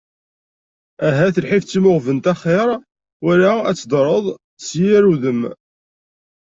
Ahat lḥif d timuɣbent axir, wala ad teddreḍ s yir udem.